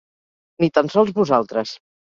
Ni tan sols vosaltres.